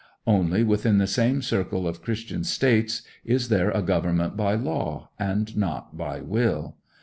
Only within the same circle of Christian states is there a government by law, and not by will.